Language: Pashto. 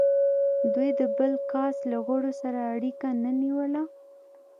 دوی د بل کاسټ له غړو سره اړیکه نه نیوله.